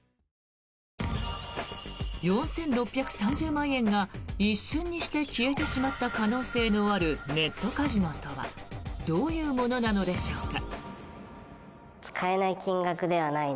４６３０万円が一瞬にして消えてしまった可能性のあるネットカジノとはどういうものなのでしょうか。